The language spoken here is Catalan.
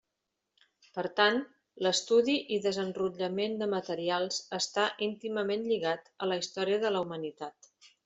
Per tant, l'estudi i desenrotllament de materials està íntimament lligat a la història de la humanitat.